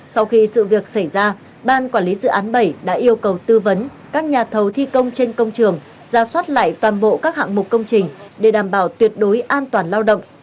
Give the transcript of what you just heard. sau khi sự việc xảy ra ban quản lý dự án bảy đã yêu cầu tư vấn các nhà thầu thi công trên công trường ra soát lại toàn bộ các hạng mục công trình để đảm bảo tuyệt đối an toàn lao động